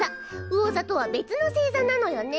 うお座とは別の星座なのよね。